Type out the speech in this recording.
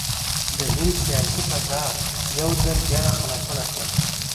د هند سیاسي فضا یو ځل بیا خړه پړه کړه.